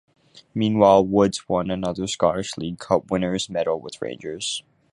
Meanwhile, Woods won another Scottish League Cup winners medal with Rangers.